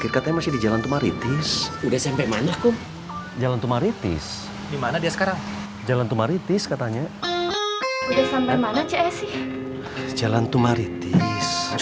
katanya sih tadi jalan tumaritis